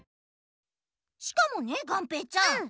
しかもねがんぺーちゃん！